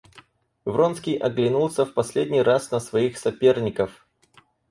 Вронский оглянулся в последний раз на своих соперников.